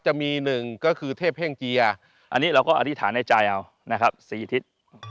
จะมีหนึ่งก็คือเทพเฮ่งเจียอันนี้เราก็อธิษฐานในใจเอานะครับ๔ทิศ